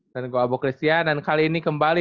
dan gue abokristian dan kali ini kembali